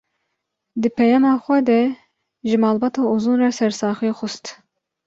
Di peyama xwe de ji malbata Uzun re sersaxî xwest